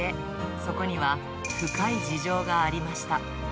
そこには深い事情がありました。